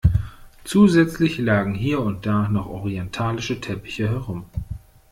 Zusätzlich lagen hier und da noch orientalische Teppiche herum.